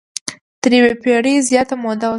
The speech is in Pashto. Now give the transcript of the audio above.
تر یوې پېړۍ زیاته موده وشوه.